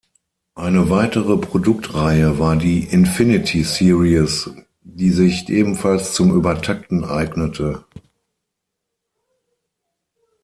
Eine weitere Produktreihe war die "Infinity Series", die sich ebenfalls zum Übertakten eignete.